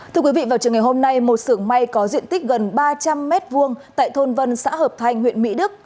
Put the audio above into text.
thưa quý vị vào trường ngày hôm nay một sưởng may có diện tích gần ba trăm linh m hai tại thôn vân xã hợp thanh huyện mỹ đức